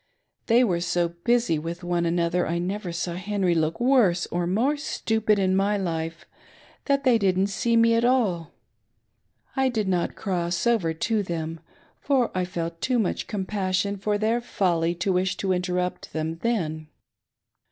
They were so busy with one another — I never saw Henry Ipok worse or more stupid in my life — that they didn't see me at all. I did not cross over to them, for I felt too much com passion for their folly to wish to interrupt them then.